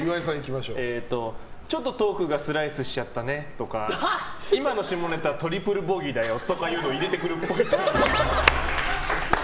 ちょっとトークがスライスしちゃったねとか今の下ネタ、トリプルボギーだよとかいうのを入れてくるっぽい。